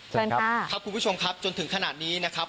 เชิญครับครับคุณผู้ชมครับจนถึงขนาดนี้นะครับ